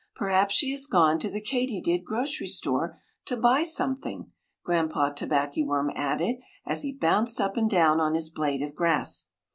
"Perhaps she has gone to the Katydid grocery store to buy something," Granpa Tobackyworm added as he bounced up and down on his blade of grass.